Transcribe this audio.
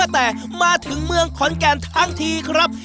แต่มาถึงเมืองขอนแก่นทั้งทีครับ